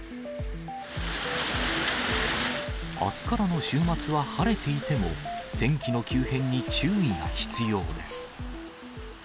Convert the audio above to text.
あすからの週末は、晴れていても、天気の急変に注意が必要です。